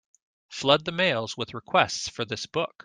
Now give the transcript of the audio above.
Flood the mails with requests for this book.